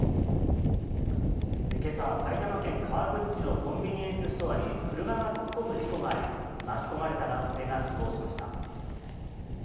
けさ、埼玉県川口市のコンビニエンスストアに車が突っ込む事故があり、巻き込まれた男性が死亡しました。